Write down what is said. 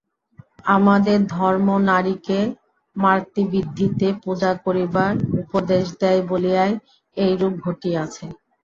আমাদের ধর্ম নারীকে মাতৃবুদ্ধিতে পূজা করিবার উপদেশ দেয় বলিয়াই এইরূপ ঘটিয়াছে।